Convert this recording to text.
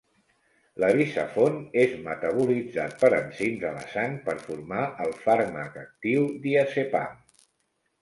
L'Avizafone és metabolitzat per enzims a la sang per formar el fàrmac actiu diazepam.